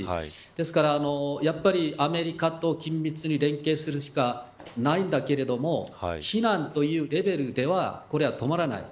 ですからやはり、アメリカと緊密に連携するしかないんだけれども非難というレベルではこれは止まらない。